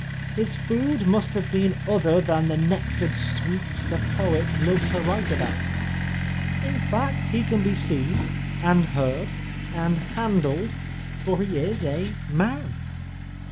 His food must have been other than the nectar'd sweets the poets love to write about ; in fact he can be seen, and heard, and handled, for he is a — man.